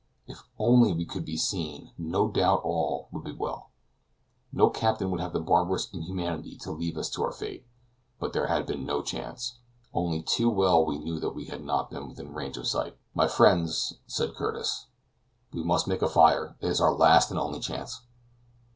If only we could be seen, no doubt all would be well; no captain would have the barbarous inhumanity to leave us to our fate; but there had been no chance; only too well we knew that we had not been within range of sight. "My friends," said Curtis, "we must make a fire; it is our last and only chance."